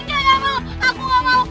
gak mau aku gak mau